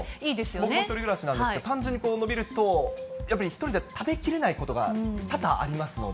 僕も１人暮らしなんですけど、単純に延びると、やっぱり１人では食べきれないことが多々ありますので。